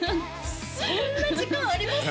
そんな時間あります？